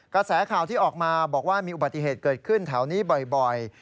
กระแสข่าวที่ออกมาบอกว่ามีอุบัติเหตุเกิดขึ้นแถวนี้บ่อย